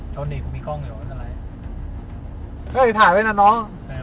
ทัวร์นี้กูมีกล้องไหลวะไทยเฮ้ยถ่ายไว้น่ะน้องเออ